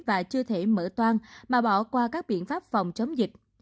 và chưa thể mở toan mà bỏ qua các biện pháp phòng chống dịch